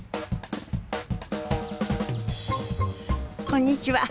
こんにちは。